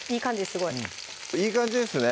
すごいいい感じですね